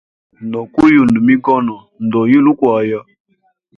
No kuyunda migono, ndoyile ukwaya.